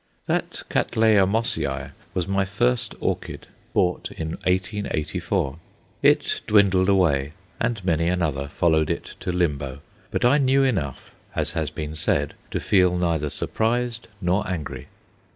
That Cattleya Mossiæ, was my first orchid, bought in 1884. It dwindled away, and many another followed it to limbo; but I knew enough, as has been said, to feel neither surprised nor angry.